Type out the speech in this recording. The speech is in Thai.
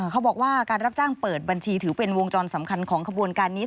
เขาบอกว่าการรับจ้างเปิดบัญชีถือเป็นวงจรสำคัญของขบวนการนี้